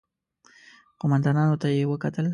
قوماندانانو ته يې وکتل.